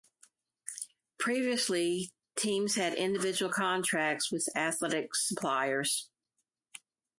Previously, teams had individual contracts with athletic suppliers.